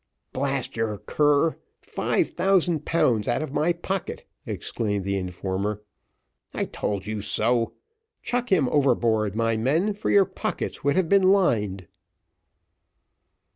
"Blast your cur! Five thousand pounds out of my pocket;" exclaimed the informer. "I told you so. Chuck him overboard, my men, for your pockets would have been lined."